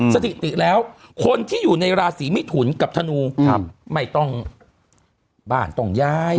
สถิติแล้วคนที่อยู่ในราศีมิถุนกับธนูไม่ต้องบ้านต้องย้าย